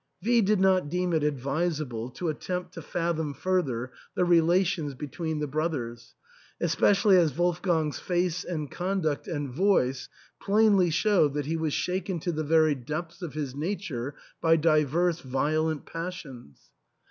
V did not deem it advisable to attempt to fathom further the relations between the brothers, especially as Wolf gang's face and conduct and voice plainly showed that he was shaken to the very depths of his nature by diverse violent passions.